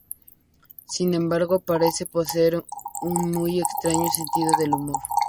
Sin embargo, parece poseer un muy extraño sentido del honor.